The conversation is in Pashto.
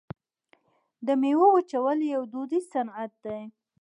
د میوو وچول یو دودیز صنعت دی.